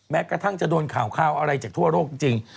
แม้กระทั่งจะโดนข่าวอะไรจากทั่วโลกจริง